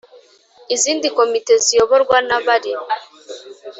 Izindi komite ziyoborwa n abari